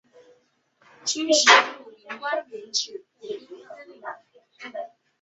军事护民官原指步兵司令。